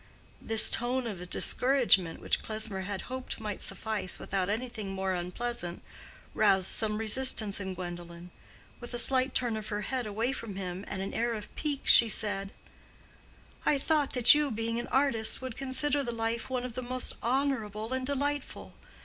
This tone of discouragement, which Klesmer had hoped might suffice without anything more unpleasant, roused some resistance in Gwendolen. With a slight turn of her head away from him, and an air of pique, she said, "I thought that you, being an artist, would consider the life one of the most honorable and delightful.